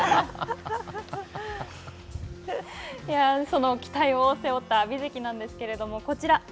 その期待を背負った阿炎関なんですけれども、こちら。